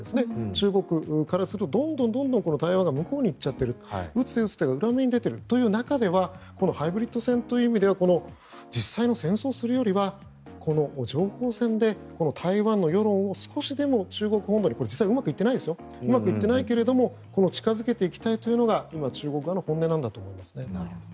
中国からするとどんどん台湾が向こうに行っちゃっている打つ手が裏目に出ているこのハイブリッド戦という意味では実際の戦争をするよりは情報戦で台湾の世論を少しでも中国本土に実際、うまくいってないけど近付けていきたいのが中国の本音だと思います。